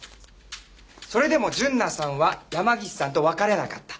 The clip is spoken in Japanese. それでも純奈さんは山岸さんと別れなかった。